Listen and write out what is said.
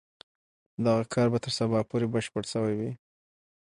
دغه کار به تر سبا پورې بشپړ سوی وي.